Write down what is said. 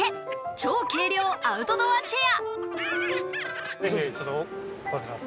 超軽量アウトドアチェア。